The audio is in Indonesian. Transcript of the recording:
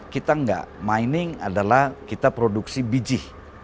kita enggak mining adalah kita produksi biji